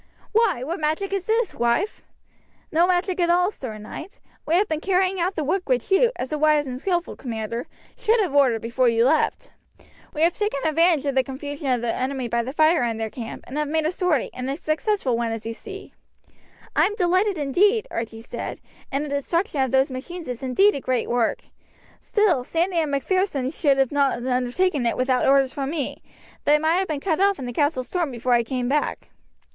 "Why, what magic is this, wife?" "No magic at all, Sir Knight. We have been carrying out the work which you, as a wise and skilful commander, should have ordered before you left. We have taken advantage of the confusion of the enemy by the fire in their camp, and have made a sortie, and a successful one, as you see." "I am delighted, indeed," Archie said; "and the destruction of those machines is indeed a great work. Still Sandy and Macpherson should not have undertaken it without orders from me; they might have been cut off and the castle stormed before I came back."